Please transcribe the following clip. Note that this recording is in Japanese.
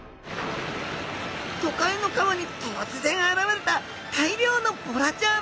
都会の川に突然現れた大量のボラちゃん。